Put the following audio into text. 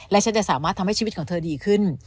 และฉันจะสามารถทำให้ชีวิตของเธอดีขึ้น